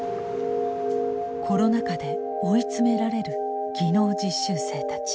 コロナ禍で追い詰められる技能実習生たち。